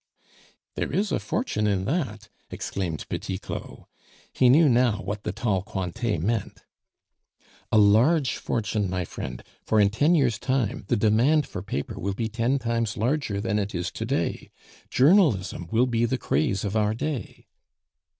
"There is a fortune in that!" exclaimed Petit Claud. He knew now what the tall Cointet meant. "A large fortune, my friend, for in ten years' time the demand for paper will be ten times larger than it is to day. Journalism will be the craze of our day."